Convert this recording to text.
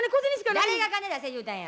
誰が「金出せ」言うたんや。